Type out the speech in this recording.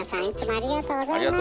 ありがとうございます。